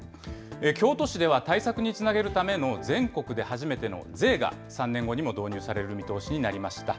京都市では対策につなげるための全国で初めての税が３年後にも導入される見通しになりました。